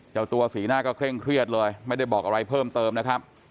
เจ้าตัวสีหน้าก็เคร่งเครียดเลยไม่ได้บอกอะไรเพิ่มเติมนะครับ